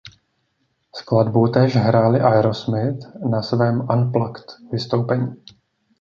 Skladbu též hráli Aerosmith na svém unplugged vystoupení.